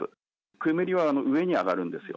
煙は上に上がるんですよ。